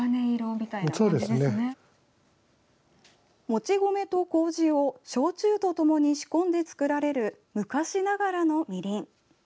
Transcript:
もち米とこうじを焼酎とともに仕込んで造られる昔ながらのみりん。